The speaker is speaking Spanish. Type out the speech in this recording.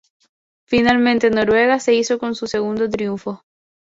Finalmente Noruega se hizo con su segundo triunfo.